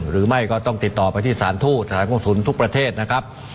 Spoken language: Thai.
หรือไม่ก็ต้องติดต่อไปที่สารทูตสถานกงศุลทุกประเทศนะครับ